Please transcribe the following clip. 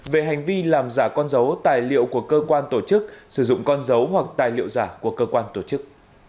về hành vi làm giả con dấu tài liệu của cơ quan tổ chức sử dụng con dấu hoặc tài liệu giả của cơ quan tổ chức